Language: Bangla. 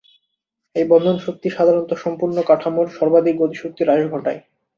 এই বন্ধন শক্তি সাধারণত সম্পূর্ণ কাঠামোর সর্বাধিক গতিশক্তি হ্রাস ঘটায়।